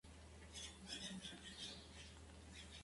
Juega de delantero y su primer equipo fue Cerro Largo.